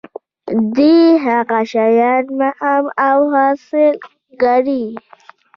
دي هغه شیان مهم او اصیل ګڼي.